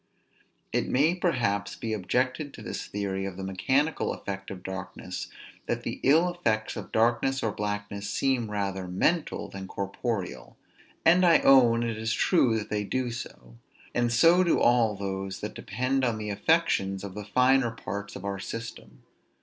It may perhaps be objected to this theory of the mechanical effect of darkness, that the ill effects of darkness or blackness seem rather mental than corporeal: and I own it is true that they do so; and so do all those that depend on the affections of the finer parts of our system.